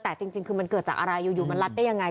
แต่จริงคือมันเกิดจากอะไรอยู่มันรัดได้ยังไง